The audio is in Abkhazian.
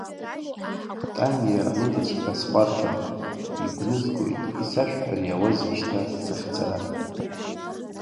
Таниа лыдаҵәҟьа схәарҭам, игәнызгоит, исашәҳәар иауазеи шьҭа сахьцара?!